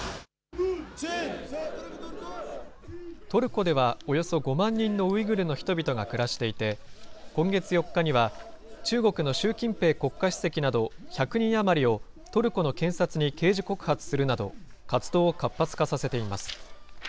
トルコでは、およそ５万人のウイグルの人々が暮らしていて、今月４日には、中国の習近平国家主席など、１００人余りをトルコの検察に刑事告発するなど、活動を活発化させています。